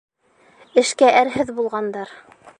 Эшкә әрһеҙ булғандар.